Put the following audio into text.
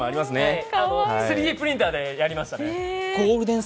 ３Ｄプリンターでやりましたね。